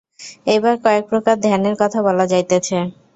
এইবার কয়েকপ্রকার ধ্যানের কথা বলা যাইতেছে।